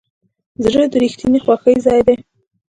زړه د رښتینې خوښۍ ځای دی.